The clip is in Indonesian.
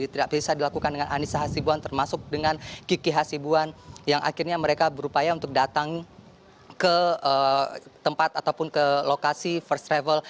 tidak bisa dilakukan dengan anissa hasibuan termasuk dengan kiki hasibuan yang akhirnya mereka berupaya untuk datang ke tempat ataupun ke lokasi first travel